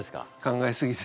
考えすぎ。